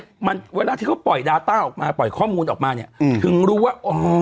มันเวลาที่เขาปล่อยดาต้าออกมาปล่อยข้อมูลออกมาเนี้ยอืมถึงรู้ว่าอ๋อ